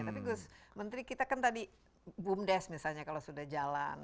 tapi gus menteri kita kan tadi bumdes misalnya kalau sudah jalan